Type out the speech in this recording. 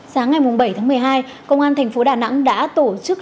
sáng ngày bảy tháng một mươi hai công an tp đà nẵng đã tổ chức